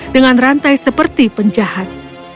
dengan rantai seperti pengejar